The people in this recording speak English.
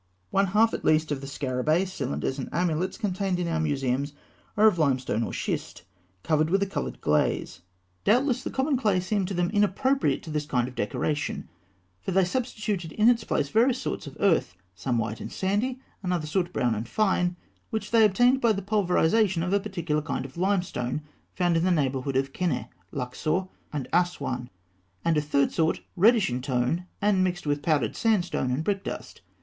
One half at least of the scarabaei, cylinders, and amulets contained in our museums are of limestone or schist, covered with a coloured glaze. Doubtless the common clay seemed to them inappropriate to this kind of decoration, for they substituted in its place various sorts of earth some white and sandy; another sort brown and fine, which they obtained by the pulverisation of a particular kind of limestone found in the neighbourhood of Keneh, Luxor, and Asûan; and a third sort, reddish in tone, and mixed with powdered sandstone and brick dust.